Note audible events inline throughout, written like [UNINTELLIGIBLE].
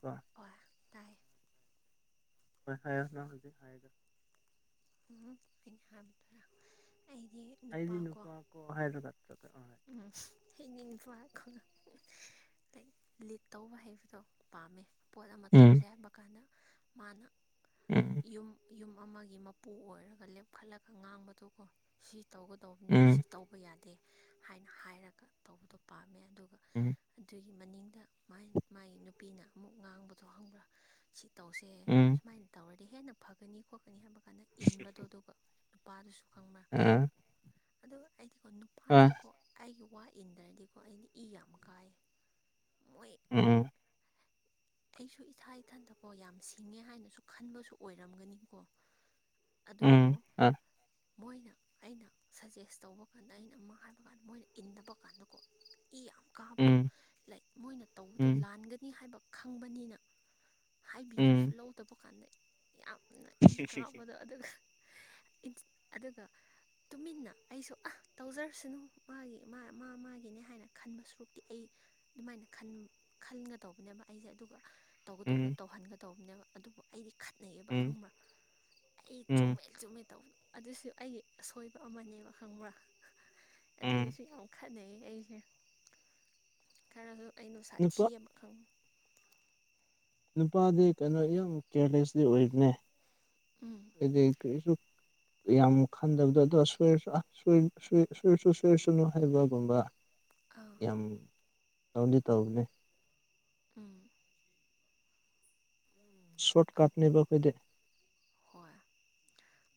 ꯀꯣ ꯑꯣ ꯇꯥꯏ ꯍꯣꯏ ꯍꯥꯏꯌꯣ ꯅꯪ ꯍꯧꯖꯤꯛ ꯍꯥꯏꯕꯗꯨ ꯎ ꯀꯅꯤ ꯍꯥꯏꯕꯗꯨꯔꯥ ꯑꯩꯗꯤ ꯍꯥꯏꯗꯤ ꯅꯨꯄꯥꯀꯣ ꯅꯄꯥ ꯑꯣꯏꯍꯦꯜꯔꯀ ꯆ ꯑꯣꯏꯍ ꯎꯝ ꯍꯦꯛꯅꯤꯡꯕ ꯈ ꯂ ꯂꯤꯠ ꯇꯧꯕ ꯍꯥꯏꯕꯗꯣ ꯄꯥꯝꯃꯦ ꯄꯣꯠ ꯑꯃ ꯎꯝ ꯇꯧꯁꯦ ꯍꯥꯏꯕ ꯀꯥꯟꯗ ꯃꯥꯅ ꯎꯝ ꯌꯨꯝ ꯌꯨꯝ ꯑꯃꯒꯤ ꯃꯄꯨ ꯑꯣꯏꯔꯒ ꯂꯦꯞꯈꯠꯂꯒ ꯉꯥꯡꯕꯗꯨꯀꯣ ꯁꯤ ꯇꯧꯒꯗꯧꯕꯅꯤ ꯁꯤ ꯎꯝ ꯇꯧꯕ ꯌꯥꯗꯦ ꯍꯥꯏꯅ ꯍꯥꯏꯔꯒ ꯇꯧꯕꯗꯣ ꯄꯥꯝꯃꯦ ꯑꯗꯨꯒ ꯎꯝ ꯑꯗꯨꯒꯤ ꯒꯤ ꯃꯅꯤꯡꯗ ꯃꯥꯏ ꯃꯥꯏ ꯅꯨꯄꯤꯅ ꯑꯃꯨꯛ ꯉꯥꯡꯕꯗꯣ ꯈꯪꯕ꯭ꯔꯥ ꯁꯤ ꯇꯧꯁꯦ ꯑꯁꯨꯃꯥꯏꯅ ꯇꯧꯔꯗꯤ ꯍꯦꯟꯅ ꯐꯒꯅꯤ ꯈꯣꯠꯀꯅꯤ ꯍꯥꯏꯕ ꯀꯥꯟꯗ ꯏꯟꯕꯗꯣ ꯑꯗꯨꯒ ꯅꯨꯄꯥꯗꯨꯁꯨ ꯈꯪꯕ꯭ꯔ ꯎꯝ ꯑꯗꯨꯀ ꯑꯩꯗꯤꯀꯣ ꯑ ꯑ ꯅꯨꯄꯥꯁꯦꯀꯣ ꯑꯩꯒꯤ ꯋꯥ ꯏꯟꯗ꯭ꯔꯗꯤꯀꯣ ꯑꯩꯗꯤ ꯏ ꯌꯥꯝ ꯀꯥꯏ ꯃꯣꯏ ꯎꯝ ꯑꯩꯁꯨ ꯏꯊꯥ ꯏꯊꯟꯗꯀꯣ ꯌꯥꯝ ꯁꯤꯡꯉꯦ ꯍꯥꯏꯅꯁꯨ ꯈꯟꯕꯁꯨ ꯑꯣꯏꯔꯝꯒꯅꯤꯀꯣ ꯑꯗꯨꯕꯨ ꯎꯝ ꯑ ꯃꯣꯏꯅ ꯑꯩꯅ ꯁꯖꯦꯁ ꯇꯧꯕ ꯀꯥꯟꯗ ꯑꯩꯅ ꯑꯃ ꯍꯥꯏꯕ ꯀꯥꯟꯗ ꯃꯣꯏꯅ ꯏꯟꯅꯕ ꯀꯥꯟꯗꯀꯣ ꯏ ꯌꯥꯝ ꯎꯝ ꯀꯥꯕꯗꯣ ꯎꯝ ꯂꯥꯏꯛ ꯃꯣꯏꯅ ꯇꯧꯕꯗꯣ ꯎꯝ ꯂꯥꯟꯒꯅꯤ ꯍꯥꯏꯕ ꯈꯪꯕꯅꯤꯅ ꯍꯥꯏꯕꯤꯔꯁꯨ ꯂꯧꯗꯕ ꯀꯥꯟꯗ ꯌꯥꯝꯅ ꯏ ꯀꯥꯕꯗꯣ ꯑꯗꯨꯒ ꯏꯟꯁ ꯑꯗꯨꯒ ꯇꯨꯃꯤꯟꯅ ꯑꯩꯁꯨ ꯑꯥ ꯇꯧꯖꯔꯁꯅꯨ ꯃꯥꯒꯤ ꯃꯥ ꯃꯥ ꯃꯥꯒꯤꯅꯦ ꯍꯥꯏꯅ ꯈꯟꯕ ꯁꯔꯨꯛꯇꯤ ꯑꯩ ꯑꯗꯨꯃꯥꯏꯅ ꯈꯟ ꯈꯟꯒ ꯇꯧꯕꯅꯦꯕ ꯑꯩꯖꯦ ꯑꯗꯨꯒ ꯇꯧꯒꯗꯧꯕ ꯇꯧꯍꯟꯒꯗꯧꯕꯅꯦꯕ ꯑꯗꯨꯕꯨ ꯑꯩꯗꯤ ꯎꯝ ꯈꯠꯅꯩꯌꯦꯕ ꯎꯝ ꯈꯪꯕ꯭ꯔꯥ ꯑꯩ ꯎꯝ ꯆꯨꯝꯃꯦ ꯆꯨꯝꯃꯦ ꯇꯧꯕ ꯑꯗꯨꯁꯨ ꯑꯩꯒꯤ ꯑꯁꯣꯏꯕ ꯑꯃꯅꯦꯕ ꯈꯪꯕ꯭ꯔꯥ ꯎꯝ ꯑꯗꯨꯒꯤꯁꯨ ꯌꯥꯝ ꯈꯠꯅꯩ ꯑꯩꯁꯦ ꯈꯔꯁꯨ ꯑꯩ ꯅꯨꯡꯁꯥ ꯅꯨꯄꯥ ꯊꯤꯌꯦꯕ ꯈꯪꯕ ꯅꯨꯄꯥꯗꯤ ꯀꯩꯅꯣ ꯌꯥꯝ ꯀꯦꯌꯔꯂꯦꯁꯂꯤ ꯑꯣꯏꯕꯅꯦ ꯎꯝ ꯍꯥꯏꯗꯤ ꯀꯔꯤꯁꯨ ꯌꯥꯝ ꯈꯟꯗꯕꯗꯣ ꯑꯗꯣ ꯁꯣꯏꯔꯁꯨ ꯁꯣꯏ ꯁꯣꯏ ꯁꯣꯏꯁꯨ ꯁꯣꯏꯁꯅꯨ ꯍꯥꯏꯕꯒꯨꯝꯕ ꯑꯥꯎ ꯌꯥꯝ ꯇꯧꯗꯤ ꯇꯧꯕꯅꯦ ꯑꯥ ꯁꯣꯔꯠꯀꯥꯠꯅꯦꯕ ꯑꯈꯣꯏꯗꯤ ꯍꯣꯏ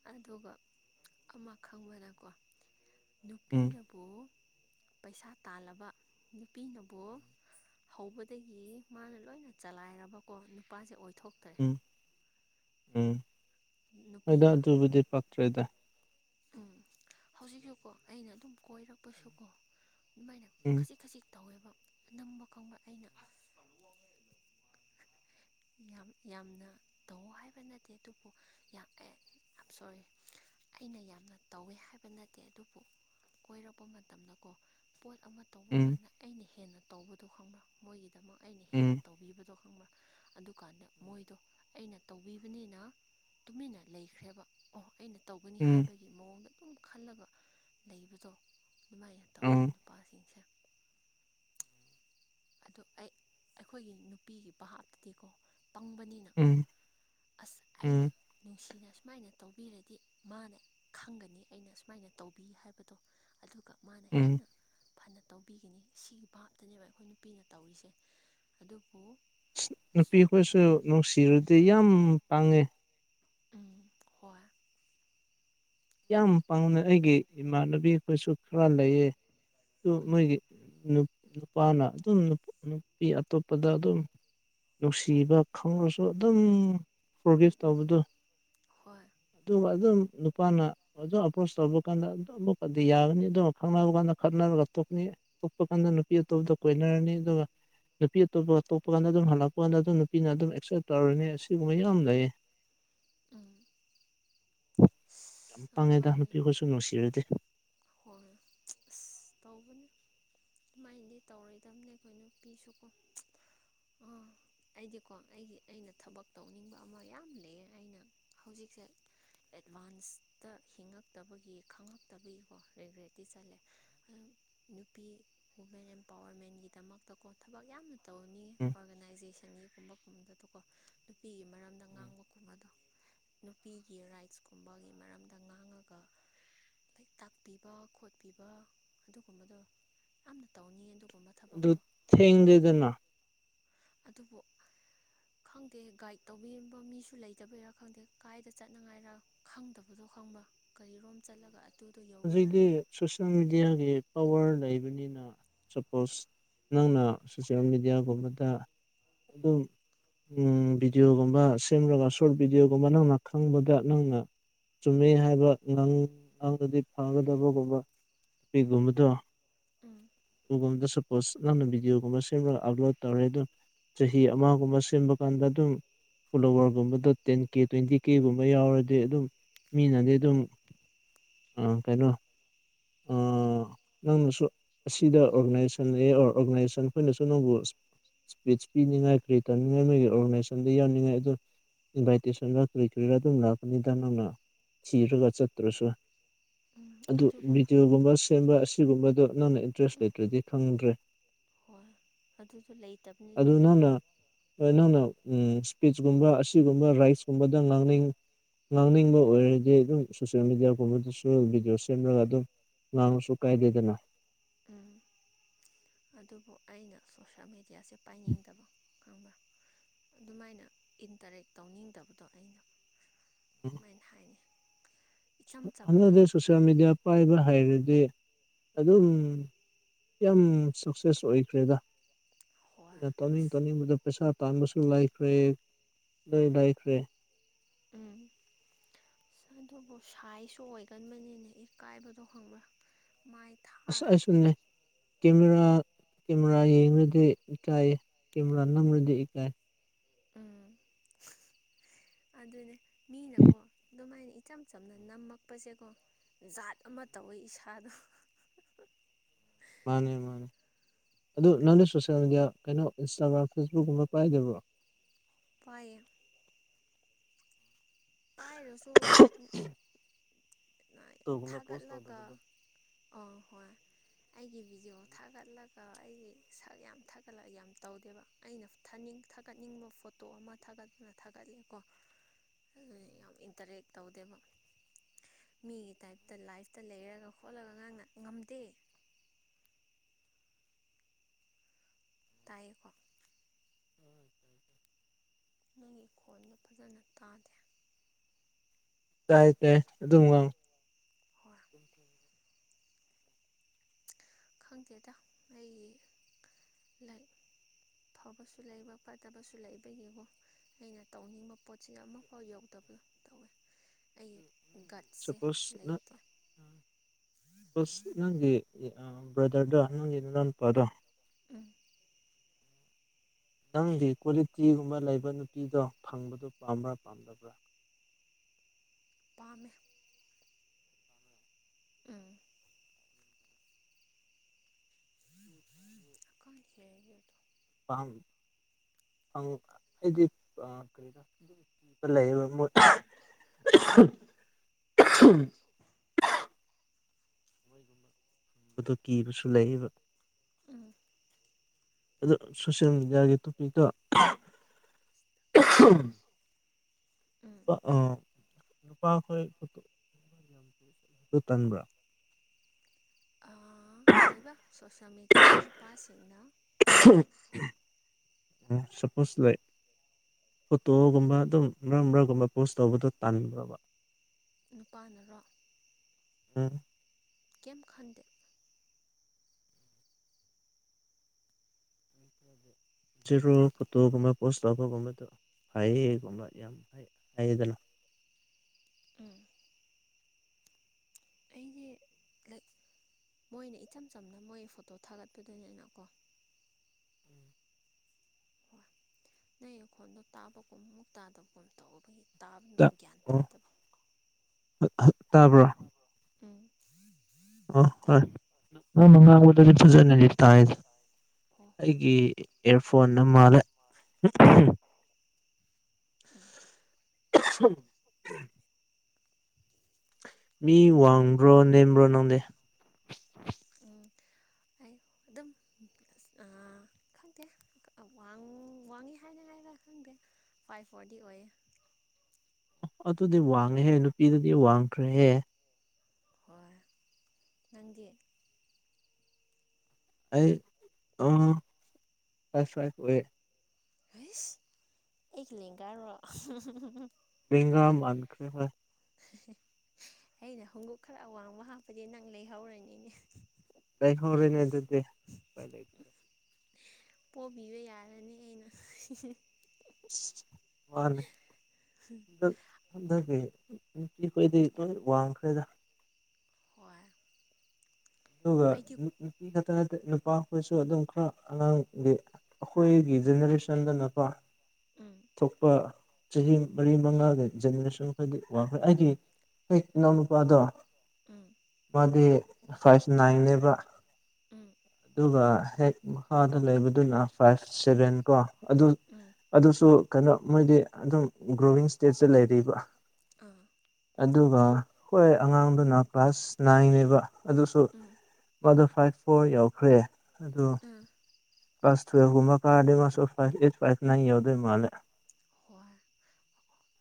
ꯑꯗꯨꯒ ꯑꯃ ꯈꯪꯕꯅꯀꯣ ꯎꯝ ꯅꯨꯄꯤꯅꯕꯨ ꯄꯩꯁꯥ ꯇꯥꯜꯂꯕ ꯅꯨꯄꯤꯅꯕꯨ ꯍꯧꯕꯗꯒꯤ ꯃꯥꯅ ꯂꯣꯏꯅ ꯆꯂꯥꯏꯔꯕꯀꯣ ꯅꯨꯄꯥꯁꯦ ꯑꯣꯏꯊꯣꯛꯇꯥ ꯎꯝ ꯎꯝ ꯍꯣꯗ ꯅꯨꯄꯤꯅ ꯑꯗꯨꯕꯨꯗꯤ ꯄꯛꯇ꯭ꯔꯦꯗ ꯎꯝ ꯍꯧꯖꯤꯛꯁꯨꯀꯣ ꯑꯩꯅ ꯑꯗꯨꯝ ꯀꯣꯏꯔꯛꯄꯁꯨꯀꯣ ꯑꯗꯨꯃꯥꯏꯅ ꯎꯝ ꯈꯖꯤꯛ ꯈꯖꯤꯛ ꯇꯧꯋꯦꯕ ꯑꯅꯝꯕ ꯈꯪꯕ ꯑꯩꯅ ꯌꯥꯝ ꯌꯥꯝꯅ ꯇꯧꯋꯣ ꯍꯥꯏꯕ ꯅꯠꯇꯦ ꯑꯗꯨꯕꯨ ꯌꯥꯝ ꯑꯦ ꯑꯥꯝ ꯁꯣꯔꯤ ꯑꯩꯅ ꯌꯥꯝꯅ ꯇꯧꯋꯦ ꯍꯥꯏꯕ ꯅꯠꯇꯦ ꯑꯗꯨꯕꯨ ꯀꯣꯏꯔꯛꯄ ꯃꯇꯝꯗꯀꯣ ꯄꯣꯠ ꯑꯃ ꯇꯧꯕ ꯎꯝ ꯀꯥꯟꯗ ꯑꯩꯅ ꯍꯦꯟꯅ ꯇꯧꯕꯗꯣ ꯈꯪꯕ꯭ꯔꯥ ꯃꯣꯏꯒꯤꯗꯃꯛ ꯑꯩꯅ ꯍꯦꯟꯅ ꯎꯝ ꯇꯧꯕꯤꯕꯗꯣ ꯈꯪꯕ꯭ꯔꯥ ꯑꯗꯨꯀꯥꯟꯗ ꯃꯣꯏꯗꯣ ꯑꯩꯅ ꯇꯧꯕꯤꯕꯅꯤꯅ ꯇꯨꯃꯤꯟꯅ ꯂꯩꯈ꯭ꯔꯦꯕ ꯑꯣ ꯑꯩꯅ ꯇꯧꯒꯅꯤ ꯎꯝ ꯍꯥꯏꯕꯒꯤ ꯃꯑꯣꯡꯗ ꯑꯗꯨꯝ ꯈꯜꯂꯒ ꯂꯩꯕꯗꯣ ꯑꯗꯨꯃꯥꯏꯅ ꯇꯧꯋꯦ ꯎꯝ ꯅꯨꯄꯥꯁꯤꯡꯁꯦ ꯑꯗꯣ ꯑꯩ ꯑꯩꯈꯣꯏꯒꯤ ꯅꯨꯄꯤꯒꯤ ꯚꯥꯞꯇꯗꯤꯀꯣ ꯄꯪꯕꯅꯤꯅ ꯎꯝ ꯑꯁ ꯑꯩꯅ ꯎꯝ ꯅꯨꯡꯁꯤꯅ ꯑꯁꯨꯃꯥꯏꯅ ꯇꯧꯕꯤꯔꯗꯤ ꯃꯥꯅꯦ ꯈꯪꯒꯅꯤ ꯑꯩꯅ ꯁꯨꯃꯥꯏꯅ ꯇꯧꯕꯤ ꯍꯥꯏꯕꯗꯣ ꯑꯗꯨꯒ ꯃꯥꯅ ꯎꯝ ꯍꯦꯟꯅ ꯐꯅ ꯇꯧꯕꯤꯒꯅꯤ ꯁꯤꯒꯤ ꯚꯥꯕꯇꯅꯦꯕ ꯑꯩꯈꯣꯏꯅ ꯄꯤꯅ ꯇꯧꯔꯤꯁꯦ ꯑꯗꯨꯕꯨ ꯁꯤꯠ ꯅꯨꯄꯤꯈꯣꯏꯁꯨ ꯅꯨꯡꯁꯤꯔꯗꯤ ꯌꯥꯝ ꯄꯪꯉꯦ ꯎꯝ ꯍꯣꯏ ꯌꯥꯝ ꯄꯥꯝꯅ ꯑꯩꯒꯤ ꯏꯃꯥꯟꯅꯕꯤ ꯑꯈꯣꯏꯁꯨ ꯈꯔ ꯂꯩꯌꯦ ꯑꯗꯨ ꯎꯝ ꯃꯣꯏꯒꯤ ꯅꯨꯄꯥꯅ ꯑꯗꯨꯝ ꯅꯨꯄꯤ ꯑꯇꯣꯞꯄꯗ ꯑꯗꯨꯝ ꯅꯨꯡꯁꯤꯕ ꯈꯪꯂꯁꯨ ꯑꯗꯨꯝ ꯐꯣꯔꯒꯤꯞ ꯎꯝ ꯎꯝ ꯇꯧꯕꯗꯣ ꯍꯣꯏ ꯑꯗꯨꯒ ꯑꯗꯨꯝ ꯅꯨꯄꯥꯅ ꯑꯣꯖꯣ ꯑꯄ꯭ꯔꯣꯁ ꯇꯧꯕ ꯀꯥꯟꯗ ꯑꯃꯨꯛꯀꯗꯤ ꯌꯥꯒꯅꯤ ꯑꯗꯨꯝ ꯐꯪꯅꯕ ꯀꯥꯟꯗ ꯈꯠꯅꯔꯒ ꯇꯣꯛꯅꯤ ꯇꯣꯛꯄ ꯀꯥꯟꯗ ꯅꯨꯄꯤ ꯑꯇꯣꯞꯄꯗꯣ ꯀꯣꯏꯅꯔꯅꯤ ꯑꯗꯨꯒ ꯅꯨꯄꯤ ꯑꯇꯣꯞꯄ ꯑꯇꯣꯞꯄ ꯀꯥꯟꯗ ꯑꯗꯨꯝ ꯍꯜꯂꯛꯄ ꯀꯥꯟꯗ ꯑꯗꯨꯝ ꯅꯨꯄꯤꯅ ꯑꯗꯨꯝ ꯑꯦꯛꯁꯦꯞ ꯇꯧꯔꯅꯤ ꯑꯁꯤꯒꯨꯝꯕ ꯌꯥꯝ ꯂꯩꯌꯦ ꯎꯝ ꯌꯥꯝ ꯑꯁ ꯄꯥꯡꯉꯦꯗ ꯑꯗꯨꯃꯥꯏꯅ ꯅꯨꯄꯤꯈꯣꯏꯁꯨ ꯅꯨꯡꯁꯤꯔꯗꯤ ꯍꯣꯏ ꯑꯁ ꯇꯧꯕꯅꯦ ꯁꯨꯃꯥꯏꯅꯗꯤ ꯇꯧꯔꯣꯏꯗꯕꯅꯦ ꯑꯩꯈꯣꯏꯅꯨꯄꯤꯁꯨꯀꯣ ꯑꯥ ꯑꯩꯗꯤꯀꯣ ꯑꯩꯒꯤ ꯑꯩꯅ ꯊꯕꯛ ꯇꯧꯅꯤꯡꯕ ꯑꯃ ꯌꯥꯝ ꯂꯩꯌꯦ ꯑꯩꯅ ꯍꯧꯖꯤꯛꯁꯦ ꯑꯦꯠꯚꯥꯟꯁꯇ ꯍꯤꯡꯉꯛꯇꯕꯒꯤ ꯈꯪꯉꯛꯇꯕꯒꯤꯀꯣ ꯔꯤꯒ꯭ꯔꯤꯠꯇꯤ ꯆꯠꯂꯦ [UNINTELLIGIBLE] ꯅꯨꯄꯤ ꯋꯨꯃꯦꯟ ꯑꯦꯝꯄꯥꯋꯔꯃꯦꯟꯒꯤꯗꯃꯛꯇꯀꯣ ꯊꯕꯛ ꯌꯥꯝꯅ ꯇꯧꯅꯤꯉꯦ ꯎꯝ ꯑꯣꯔꯒꯅꯥꯏꯖꯦꯁꯟꯒꯤꯒꯨꯝꯕ ꯒꯨꯝꯕꯗꯀꯣ ꯅꯨꯄꯤꯒꯤ ꯃꯔꯝꯗ ꯉꯥꯡꯕ ꯀꯨꯝ ꯑꯗꯣ ꯅꯨꯄꯤꯒꯤ ꯔꯥꯏꯠꯁꯀꯨꯝꯕꯒꯤ ꯃꯔꯝꯗ ꯉꯥꯡꯉꯒ ꯍ ꯇꯥꯛ ꯄꯤꯕ ꯈꯣꯠꯄꯤꯕ ꯑꯗꯨꯒꯨꯝꯕꯗꯣ ꯑꯝꯇ ꯇꯧꯅꯤ ꯑꯗꯨꯒꯨꯝꯕ ꯑꯗꯨ ꯊꯕꯛꯇꯣ ꯊꯦꯡꯗꯦꯗꯅ ꯑꯗꯨꯕꯨ [INAUDIBLE] ꯈꯪꯗꯦ ꯒꯥꯏꯗ ꯇꯧꯕꯤꯔꯝꯕ ꯃꯤꯁꯨ ꯂꯩꯇꯕꯩꯔꯥ ꯈꯪꯗꯦ ꯀꯥꯏꯗ ꯆꯠꯅꯉꯥꯏꯔ ꯈꯪꯗꯕꯗꯣ ꯈꯪꯕ ꯀꯔꯤꯔꯣꯝ ꯆꯠꯂꯒ ꯑꯗꯨ ꯍꯧꯖꯤꯛꯇꯤ ꯁꯣꯁꯤꯌꯦꯜ ꯃꯦꯗꯤꯌꯥꯒꯤ ꯄꯋꯥꯔ ꯂꯩꯕꯅꯤꯅ ꯁꯄꯣꯁ ꯅꯪꯅ ꯁꯣꯁꯌꯦꯜ ꯃꯦꯗꯤꯌꯥꯒꯨꯝꯕꯗ ꯑꯗꯨꯝ ꯎꯝ ꯚꯤꯗꯤꯌꯣꯒꯨꯝꯕ ꯁꯦꯝ ꯔꯒ ꯁꯣꯔꯠ ꯚꯗꯤꯑꯣꯒꯨꯝꯕ ꯅꯪꯅ ꯈꯪꯕꯗ ꯅꯪꯅ ꯆꯨꯝꯃꯤ ꯍꯥꯏꯕꯪ ꯉꯥ ꯉꯥꯉꯗꯤ ꯐꯥꯒꯗꯕꯒꯨꯝꯕ ꯄꯤꯒꯨꯝꯕꯗꯣ ꯎꯝ ꯗꯨꯒꯨꯝꯕꯗꯁꯨ ꯁꯄꯣꯁ ꯑꯅꯥꯝꯕꯅ ꯚꯗꯤꯑꯣꯒꯨꯝꯕ ꯁꯦꯝꯔꯒ ꯑꯞꯂꯣꯗ ꯇꯧꯔꯦ ꯑꯗꯨ ꯆꯍꯤ ꯑꯃꯒꯨꯝꯕ ꯁꯦꯝꯕ ꯀꯥꯟꯗ ꯑꯗꯨꯝ ꯐꯣꯂꯣꯋꯔꯒꯨꯝꯕꯗꯣ ꯇꯦꯟ ꯀꯦ ꯇꯣꯏꯟꯇꯤ ꯀꯦꯒꯨꯝꯕ ꯌꯥꯎꯔꯗꯤ ꯑꯗꯨꯝ ꯃꯤꯅꯗꯤ ꯑꯗꯨꯝ ꯑ ꯀꯩꯅꯣ ꯑꯥ ꯅꯪꯅꯁꯨ ꯑꯁꯤꯗ ꯑꯣꯔꯒꯅꯥꯏꯖꯦꯁꯟꯅꯤ ꯌꯥꯎꯔ ꯑꯣꯔꯒꯅꯥꯏꯖꯦꯁꯟ ꯍꯣꯏꯅꯁꯨ ꯅꯪꯕꯨ ꯁꯨ ꯏꯁꯄꯤꯆ ꯄꯤꯅꯤꯡꯉꯥꯏꯔꯤ ꯇꯅꯤꯡꯉꯥꯏ ꯃꯣꯏꯒꯤ ꯑꯣꯔꯒꯅꯥꯏꯖꯦꯁꯟꯗ ꯌꯥꯎꯅꯤꯡꯉꯥꯏ ꯑꯗꯨ ꯏꯟꯚꯥꯏꯇꯦꯁꯟ ꯔ ꯀ ꯀꯔꯤ ꯔ ꯑꯗꯨꯝꯅ ꯅꯅ ꯊꯤꯔꯒ ꯆꯠꯇ꯭ꯔꯁꯨ ꯎꯝ ꯑꯗꯨꯕꯨ ꯚꯗꯤꯑꯣꯒꯨꯝꯕ ꯁꯦꯝꯕ ꯑꯁꯤꯒꯨꯝꯕꯗꯣ ꯅꯪꯅ ꯏꯟꯇꯔꯦꯁ ꯎꯝ ꯂꯩꯇ꯭ꯔꯗꯤ ꯈꯪꯗ꯭ꯔꯦ ꯍꯣꯏ ꯑꯗꯨꯗꯣ ꯂꯩꯇꯕꯅꯤꯅ ꯑꯗꯨ ꯅꯪꯅ ꯅꯪꯅ ꯎꯝ ꯏꯁꯄꯤꯆ ꯀꯨꯝꯕ ꯑꯁꯤꯒꯨꯝꯕ ꯔꯥꯏꯠꯁꯀꯨꯝꯕꯗ ꯉꯥꯡꯅꯤꯡ ꯉꯥꯡꯅꯤꯡꯕ ꯑꯣꯏꯔꯗꯤ ꯑꯗꯨꯝ ꯁꯣꯁꯦꯜ ꯃꯦꯗꯤꯌꯥ ꯒꯨꯝꯕꯗꯁꯨ ꯚꯤꯗꯤꯑꯣ ꯁꯦꯝꯂꯒ ꯑꯗꯨꯝ ꯉꯥꯡꯉꯁꯨꯨ ꯀꯥꯏꯗꯦꯗꯅ ꯎꯝ ꯑꯗꯨꯕꯨ ꯑꯩꯅ ꯁꯣꯁꯦꯜ ꯃꯦꯗꯤꯌꯥꯁꯦ ꯄꯥꯏꯅꯤꯡꯗꯕ ꯈꯪꯕ꯭ꯔ ꯑꯗꯨꯃꯥꯏꯅ ꯏꯟꯇꯔꯦꯛ ꯇꯧꯅꯤꯡꯗꯕꯗꯣ ꯑꯩꯅ ꯁꯨꯃꯥꯏꯅ ꯍꯥꯏꯅꯤ ꯏꯆꯝ ꯆꯝꯅ ꯍꯟꯗꯛꯗꯤ ꯁꯣꯁꯤꯌꯦꯜ ꯃꯦꯗꯤꯌꯥ ꯄꯥꯏꯕ ꯍꯩꯔꯗꯤ ꯑꯗꯨꯝ ꯎꯝ ꯌꯥꯝ ꯁꯛꯁꯦꯁ ꯑꯣꯏꯈ꯭ꯔꯦꯗ ꯍꯣꯏ ꯇꯧꯅꯤꯡ ꯑꯁ ꯇꯧꯅꯤꯡꯕꯗꯨ ꯄꯩꯁꯥ ꯇꯥꯟꯕꯁꯨ ꯂꯥꯏꯈ꯭ꯔꯦ ꯂꯣꯏ ꯂꯥꯏꯈ꯭ꯔꯦ ꯎꯝ ꯑꯗꯨꯕꯨ ꯁꯥꯏꯖꯁꯨ ꯑꯣꯏꯒꯟꯕꯅꯤꯅꯦ ꯏꯀꯥꯏꯕꯗꯣ ꯈꯪꯕ꯭ꯔꯥ ꯃꯥꯏ ꯑꯁ ꯊꯥꯔꯕꯗꯣ ꯑꯩꯁꯨꯅꯤ ꯀꯦꯃꯦꯔꯥ ꯀꯦꯃꯦꯔꯥ ꯌꯦꯡꯉꯗꯤ ꯏꯀꯥꯏ ꯀꯦꯃꯦꯔꯥ ꯅꯝꯔꯗꯤ ꯏꯀꯥꯏ ꯑꯗꯨꯅꯦ ꯃꯤꯅꯀꯣ ꯑꯗꯨꯃꯥꯏꯅ ꯏꯆꯝ ꯆꯝꯅ ꯅꯝꯃꯛꯄꯁꯦꯀꯣ ꯖꯥꯠ ꯑꯃ ꯇꯧꯋꯦ ꯏꯁꯥꯗꯣ ꯃꯥꯅꯦ ꯃꯥꯅꯦ ꯑꯗꯨ ꯅꯪꯅꯦ ꯁꯣꯁꯦꯜ ꯃꯦꯗꯤꯌꯥ ꯀꯩꯅꯣ ꯏꯟꯁꯇꯥꯒ꯭ꯔꯥꯝ ꯐꯦꯁꯕꯨꯛꯀꯨꯝꯕ ꯄꯥꯏꯗꯕ꯭ꯔꯣ ꯄ ꯥꯏꯌꯦ ꯄꯥꯏꯔꯁꯨ ꯅꯥꯏ ꯐꯣꯇꯣꯒꯨꯝꯕ ꯄꯣꯁ ꯊꯥꯒꯠꯂꯒ ꯇꯧꯗꯕꯗꯣ ꯑ ꯍꯣꯏ ꯑꯩꯒꯤ ꯚꯤꯗꯤꯑꯣ ꯊꯥꯒꯠꯂꯒ ꯑꯩꯒꯤ ꯁꯛ ꯌꯥꯝ ꯊꯥꯒꯠꯂꯒ ꯌꯥꯝ ꯇꯧꯗꯦꯕ ꯑꯩꯅ ꯊꯅꯤꯡ ꯊꯥꯒꯠꯅꯤꯡꯕ ꯐꯣꯇꯣ ꯑꯃ ꯊꯥꯒꯠꯇꯨꯅ ꯊꯥꯒꯠꯂꯦꯀꯣ ꯑꯗꯨ ꯌꯥꯝ ꯏꯟꯇꯔꯦꯛ ꯇꯧꯗꯦꯕ ꯃꯤꯒꯤ ꯇꯥꯏꯞꯇ ꯂꯥꯏꯐꯇ ꯂꯩꯔꯒ ꯈꯣꯠꯂꯒ ꯉꯥꯡꯅ ꯉꯝꯗꯦ ꯇꯥꯏꯌꯦꯀꯣ [INAUDIBLE] ꯅꯪꯒꯤ ꯈꯣꯟꯗꯣ ꯐꯖꯅ ꯇꯥꯗꯦ ꯇꯥꯏ ꯇꯦ ꯑꯗꯨꯝ [UNINTELLIGIBLE] ꯍꯣꯏ ꯈꯪꯗꯦꯗ ꯑꯩ ꯂꯥꯏꯛ ꯐꯕꯁꯨ ꯂꯩꯕ ꯐꯠꯇꯕꯁꯨ ꯂꯩꯕ ꯌꯦꯡꯉꯣ ꯑꯩꯅ ꯇꯧꯅꯤꯡꯕ ꯄꯣꯠꯁꯦ ꯑꯃꯐꯥꯎ ꯌꯧꯗꯕꯗꯣ ꯇꯧꯋꯦ ꯑꯩ ꯒꯠꯁꯦ ꯂꯩꯇꯦ ꯑꯁ ꯅꯪꯒꯤ ꯕ ꯭ꯔꯗꯔꯗꯣ ꯅꯪꯒꯤ ꯅꯅꯥꯎ ꯅꯨꯄꯥꯗꯣ ꯎꯝ ꯅꯪꯗꯤ ꯀ꯭ꯋꯥꯂꯤꯇꯤꯒꯨꯝꯕ ꯂꯩꯕ ꯅꯨꯄꯤꯗꯣ ꯐꯪꯕꯗꯣ ꯄꯥꯝꯕ꯭ꯔꯥ ꯄꯥꯝꯗꯕ꯭ꯔꯥ ꯄꯥꯝꯃꯦ ꯑꯥ [UNINTELLIGIBLE] ꯄꯥꯝ ꯑꯪ ꯑꯩꯗꯤ ꯂꯩꯑꯕ ꯎꯝ [UNINTELLIGIBLE] ꯑꯍꯝ ꯑꯗꯨ ꯀꯤꯕꯁꯨ ꯂꯩꯌꯦꯕ ꯎꯝ ꯑꯗꯣ ꯁꯣꯁꯤꯌꯦꯜ ꯃꯦꯗꯤꯌꯥꯒꯤ ꯇꯣꯄꯤꯛꯇꯣ ꯎꯝ ꯅꯨꯄꯥ ꯑ ꯅꯨꯄꯥꯈꯣꯏ ꯑꯗꯨ ꯇꯟꯕ꯭ꯔꯥ ꯑꯥ ꯀꯩꯕꯥ ꯁꯣꯁꯦꯜ ꯃꯦꯗꯤꯌꯥꯗ ꯅꯨꯄꯥꯁꯤꯡꯅ ꯁꯄꯣꯁ ꯂꯩꯥ ꯐꯣꯇꯣꯒꯨꯝꯕ ꯑꯗꯨꯝ ꯃꯔꯛ ꯃꯔꯛꯒꯨꯝꯕ ꯄꯣꯁ ꯇꯧꯕꯗꯣ ꯇꯟꯕ꯭ꯔꯣꯕ ꯅꯨꯄꯥꯅꯔꯣ ꯎꯝ ꯀꯦꯝ ꯈꯟꯗꯦ [INAUDIBLE] ꯖꯦꯔꯣ ꯐꯣꯇꯣꯒꯨꯝꯕ ꯄꯣꯁ ꯇꯧꯕꯒꯨꯝꯕꯗꯣ ꯐꯌꯦꯒꯨꯝꯕ ꯌꯥꯝ ꯍꯥꯏꯌꯦꯗꯅ ꯎꯝ ꯑꯩꯒꯤ ꯂꯥꯏꯛ ꯃꯣꯏꯅ ꯏꯆꯝ ꯆꯝꯅ ꯃꯣꯏ ꯐꯣꯇꯣ ꯊꯥꯒꯠꯄꯗꯨꯅꯤꯅ ꯀꯣ ꯅꯪꯩ ꯅꯈꯣꯟꯗꯣ ꯇꯥꯕꯒꯨꯝ ꯃꯨꯛ ꯇꯥꯗꯕꯒꯨꯝ ꯇꯧꯕꯒꯤ ꯇꯥꯕ ꯒ꯭ꯌꯥꯟ ꯇꯥꯗꯕ ꯍꯛ ꯍꯛ ꯇꯥꯕ꯭ꯔꯣ [UNINTELLIGIBLE] ꯎꯝ ꯇꯥꯔꯦ ꯑꯣ ꯍꯣꯏꯣꯏꯪꯗ ꯐꯖ ꯏꯇꯦ [UNINTELLIGIBLE] ꯑꯩꯒꯤ ꯏꯌꯥꯔꯐꯣꯟ ꯑꯃ ꯃꯥꯜꯂ ꯃꯥꯜꯂꯦ ꯎꯝ ꯑꯍꯝ ꯃꯤ ꯋꯥꯡꯕ꯭ꯔꯣ ꯅꯦꯝꯕ꯭ꯔꯣ ꯅꯪꯗꯦ ꯎꯝ ꯍꯥꯏꯌꯨ ꯑꯗꯨꯝ ꯑꯁ ꯈꯪꯗꯦ ꯋꯥꯡꯉꯤ ꯍꯥꯏꯅꯉꯥꯏꯔ ꯈꯪꯗꯦ ꯐꯥꯏꯚ ꯐꯣꯔꯇꯤ ꯑꯣꯏꯌꯦ ꯑꯗꯨꯗꯤ ꯋꯥꯡꯉꯦꯍꯦ ꯅꯨꯄꯤꯗꯗꯤ ꯋꯥꯡꯈ꯭ꯔꯦꯍꯦ ꯍꯣꯏ ꯅꯪꯒꯤ ꯑꯩ [UNINTELLIGIBLE] ꯑꯣꯏꯋꯦ ꯍꯩꯁ ꯑꯩꯒꯤ ꯂꯦꯡꯒꯥꯔꯣ ꯂꯩꯅꯥ ꯃꯥꯟꯈ꯭ꯔ ꯍꯣꯏ ꯍꯦ ꯍꯦ ꯍꯦ ꯑꯩꯅ ꯍꯣꯡꯎꯞ ꯈꯔ ꯑꯋꯥꯡꯕ ꯍꯥꯞꯄꯗꯤ ꯅꯪ ꯂꯩꯍꯧꯔꯅꯤꯅꯦ ꯂꯩꯍꯧꯔꯅꯤ ꯑꯗꯨꯗꯤ ꯄꯣꯕꯤꯕ ꯌꯥꯔꯅꯤ ꯑꯩꯅ ꯃꯥꯅꯤ ꯑꯗꯨ ꯑꯗꯨꯒꯤ ꯅꯨꯄꯤꯈꯣꯏꯗꯤ ꯂꯣꯏ ꯋꯥꯡꯈ꯭ꯔꯦꯗ ꯍꯣꯏ ꯑꯗꯨꯒ ꯑꯩꯗꯤ ꯅꯨꯄꯤ ꯈꯛꯇ ꯅꯠꯇꯦ ꯅꯨꯄꯥꯈꯣꯏꯁꯨ ꯑꯗꯨꯝ ꯈꯔ ꯑꯉꯥꯡꯒꯤ ꯑꯈꯣꯏꯒꯤ ꯖꯦꯅꯦꯔꯦꯁꯟꯗꯅꯀꯣ ꯎꯝ ꯊꯣꯛꯄ ꯆꯍꯤ ꯃꯔꯤ ꯃꯉꯥꯒ ꯖꯦꯅꯦꯔꯦꯁꯟ ꯈꯣꯏꯗꯤ ꯋꯥꯡꯈ꯭ꯔꯦ ꯑꯩꯗꯤ ꯍꯦꯛ ꯏꯅꯥꯎꯅꯨꯄꯥꯗꯣ ꯎꯝ ꯃꯥꯗꯤ ꯐꯥꯏꯚ ꯅꯥꯏꯟꯅꯦꯕ ꯎꯝ ꯑꯗꯨꯒ ꯍꯦꯛ ꯃꯈꯥꯗ ꯂꯩꯕꯗꯨꯅ ꯐꯥꯏꯚ ꯁꯚꯦꯟ ꯀꯣ ꯑꯗꯨ ꯎꯝ ꯑꯗꯨꯁꯨ ꯀꯩꯅꯣ ꯃꯣꯏꯗꯤ ꯑꯗꯨꯝ ꯒ꯭ꯔꯣꯋꯤꯡ ꯏꯁꯇꯦꯖꯇ ꯂꯩꯔꯤꯕ ꯑꯥ ꯑꯗꯨꯒ ꯍꯣꯏ ꯑꯈꯣꯏ ꯑꯉꯥꯡꯗꯨꯅ ꯀ꯭ꯂꯥꯁ ꯅꯥꯏꯟ ꯅꯦꯕ ꯑꯗꯨꯁꯨ ꯎꯝ ꯃꯥꯗꯣ ꯐꯥꯏꯚ ꯐꯣꯔ ꯌꯧꯈ꯭ꯔꯦ ꯑꯗꯨ ꯑꯥ ꯀ꯭ꯂꯥꯁ ꯇꯨꯌꯦꯜꯚꯀꯨꯝꯕ ꯀꯥꯔꯗꯤ ꯃꯥꯁꯨ ꯐꯥꯏ ꯑꯩꯠ ꯐꯥꯏꯚ ꯅꯥꯏ ꯌꯥꯎꯗꯣꯏ ꯃꯥꯜꯂꯦ ꯋꯥ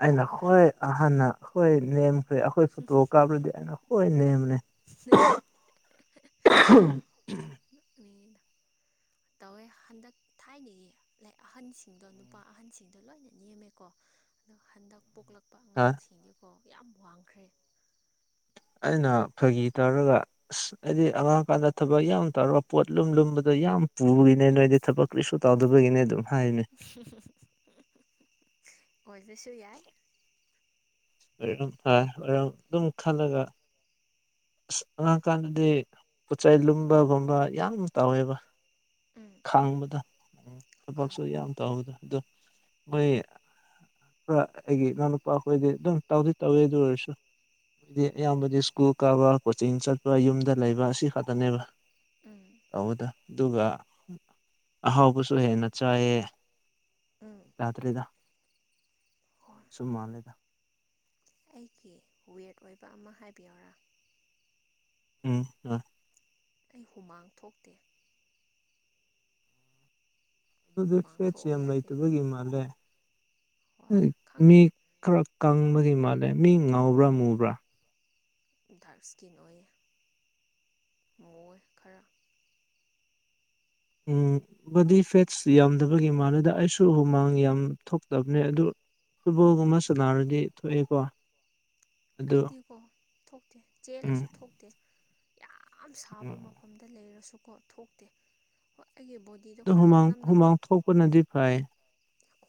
ꯑꯩꯅ ꯈꯋ꯭ꯥꯏ ꯑꯍꯥꯟꯅ ꯈꯋ꯭ꯥꯏ ꯅꯦꯝꯈ꯭ꯔꯦ ꯑꯈꯣꯏ ꯐꯣꯇꯣ ꯀꯥꯞꯔꯗꯤ ꯑꯩꯅ ꯈꯋ꯭ꯥꯏ ꯅꯦꯝꯕꯅꯦ ꯅꯣꯛꯅꯤꯡꯉꯤꯗ ꯇꯧꯋꯦ ꯍꯟꯗꯛ ꯊꯥꯏꯅꯒꯤ ꯂꯥꯏꯛ ꯑꯍꯟꯁꯤꯡꯗꯣ ꯅꯨꯄꯥ ꯑꯍꯟꯁꯤꯡꯗꯣ ꯂꯣꯏꯅ ꯅꯦꯝꯃꯦꯀꯣ ꯑꯗꯣ ꯍꯟꯗꯛ ꯄꯣꯛꯂꯛꯄ ꯑꯉꯥꯡꯁꯤꯗꯤꯀꯣ ꯌꯥꯝ ꯋꯥꯡꯈ꯭ꯔꯦ ꯑꯩꯅ ꯐꯥꯒꯤ ꯇꯧꯔꯒ ꯑꯁ ꯑꯩꯗꯤ ꯑꯉꯥꯡꯀꯥꯟꯗ ꯊꯕꯛ ꯌꯥꯝ ꯇꯧꯔꯒ ꯄꯣꯠ ꯂꯨꯝ ꯂꯨꯝꯕꯗꯣ ꯌꯥꯝ ꯄꯨꯕꯒꯤꯅꯦ ꯎꯝ ꯅꯣꯏꯗꯤ ꯊꯕꯛ ꯀ꯭ꯔꯤꯁꯨ ꯇꯧꯗꯕꯒꯤꯅꯦ ꯑꯗꯨꯝ ꯍꯥꯏ ꯅꯦ ꯑꯣꯏꯕꯁꯨ ꯌꯥꯏ ꯑꯣꯏꯔꯝ ꯇꯥꯏ ꯑꯣꯏꯔꯝ ꯑꯗꯨꯝ ꯈꯜꯂꯒ ꯑꯁ ꯑꯉꯥꯡ ꯀꯥꯟꯗꯗꯤ ꯄꯣꯠ ꯆꯩ ꯂꯨꯝꯕꯒꯨꯝꯕ ꯌꯥꯝ ꯇꯥꯎꯋꯦꯕ ꯎꯝ ꯈꯥꯡꯕꯗ ꯑꯥ ꯊꯕꯛꯁꯨ ꯌꯥꯝ ꯇꯧꯕꯗ ꯑꯗꯨ ꯃꯣꯏ ꯄꯨꯔ ꯑꯩꯒꯤ ꯢꯅꯥꯎ ꯅꯨꯄꯥꯈꯣꯏꯗꯤ ꯑꯗꯨꯝ ꯇꯧꯗꯤ ꯇꯧꯋꯤ ꯑꯗꯨ ꯑꯣꯏꯔꯁꯨ ꯑꯩꯇꯩ ꯑꯌꯥꯝꯕꯗꯤ ꯁ꯭ꯀꯨꯜ ꯀꯥꯕꯥ ꯀꯣꯆꯤꯡ ꯆꯠꯄ ꯌꯨꯝꯗ ꯂꯩꯕ ꯑꯁꯤ ꯈꯛꯇꯅꯦꯕ ꯎꯝ ꯇꯧꯕꯗꯤ ꯑꯗꯨꯒ ꯑꯍꯥꯎꯕꯁꯨ ꯍꯦꯟꯅ ꯆꯥꯏꯌꯦ ꯎꯝ ꯌꯥꯗ꯭ꯔꯦꯗ ꯍꯣꯏ ꯆꯨꯝ ꯃꯥꯟꯂꯦꯗ ꯑꯩꯒꯤ ꯋꯦꯠ ꯑꯣꯏꯕ ꯑꯃ ꯍꯥꯏꯕꯤꯌꯣꯔꯥ ꯎꯝ ꯑ ꯑꯩ ꯍꯨꯃꯥꯡ ꯊꯣꯛꯇꯦ ꯑꯗꯨ ꯍꯨꯃꯥꯡ ꯐꯦꯠꯁ ꯊꯣꯛꯎ ꯌꯥꯝ ꯌꯥꯗꯦ ꯂꯩꯇꯕꯒꯤ ꯃꯥꯜꯂꯦ ꯍꯣꯏ ꯈꯪ ꯃꯤ ꯈꯔ ꯀꯪꯕꯒꯤ ꯃꯥꯜꯂꯦ ꯃꯤ ꯉꯥꯎꯕ꯭ꯔꯥ ꯃꯨꯕ꯭ꯔꯥ ꯗꯥꯔꯛ ꯏꯁꯀꯤꯟ ꯑꯣꯏꯌꯦ ꯃꯨꯏ ꯈꯔ ꯎ ꯕꯣꯗꯤ ꯐꯦꯠꯁ ꯌꯥꯝꯗꯕꯒꯤ ꯃꯂꯦꯗ ꯑꯩꯁꯨ ꯍꯨꯃꯥꯡ ꯌꯥꯝ ꯊꯣꯛꯇꯕꯅꯦ ꯑꯗꯨ ꯐꯨꯠꯕꯣꯜꯒꯨꯝꯕ ꯁꯥꯟꯅꯔꯗꯤ ꯊꯣꯛꯑꯦꯀꯣ ꯑꯗꯨ ꯑꯩꯗꯤꯀꯣ ꯊꯣꯛꯇꯦ ꯎꯝ ꯆꯦꯜꯂꯁꯨ ꯊꯣꯛꯇꯦ ꯌꯥꯝ ꯁꯥꯕ ꯃꯐꯝꯅꯤ ꯗ ꯂꯩꯔꯁꯨꯀꯣ ꯊꯣꯛꯇꯦ ꯍꯣꯏ ꯑꯩꯒꯤ ꯕꯣꯗꯤ ꯍꯨꯃꯥꯡ ꯍꯨꯃꯥꯡ ꯊꯣꯛꯄꯅꯗꯤ ꯐꯩ